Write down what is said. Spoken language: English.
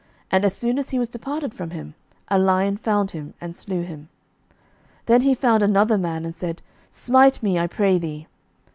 And as soon as he was departed from him, a lion found him, and slew him. 11:020:037 Then he found another man, and said, Smite me, I pray thee.